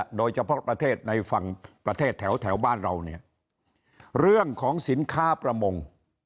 โดยเฉพาะประเทศในฝั่งประเทศแถวแถวบ้านเราเนี่ยเรื่องของสินค้าประมง